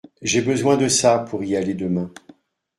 J’ai besoin de ça pour y aller demain.